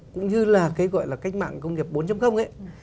cũng như là cái gọi là cách mạng công nghiệp bốn ấy